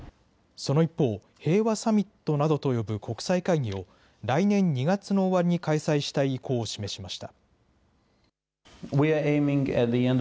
その一方、平和サミットなどと呼ぶ国際会議を来年２月の終わりに開催したい意向を示しました。